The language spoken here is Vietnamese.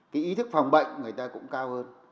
cái ý thức phòng bệnh người ta cũng cao hơn